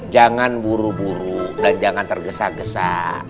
jangan buru buru dan jangan tergesa gesa